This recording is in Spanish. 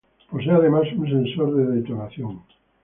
Posee además un sensor de detonación.